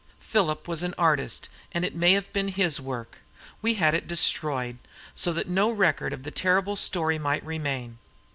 Philip was an artist, and it may have been his work. We had it destroyed, so that no record of the terrible story might remain.